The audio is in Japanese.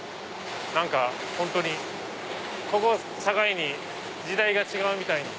本当にここを境に時代が違うみたいに。